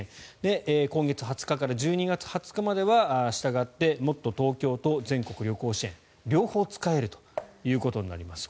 今月２０日から１２月２０日まではしたがってもっとＴｏｋｙｏと全国旅行支援両方使えるということになります。